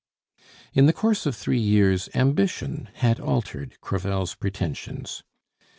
In the course of three years ambition had altered Crevel's pretensions.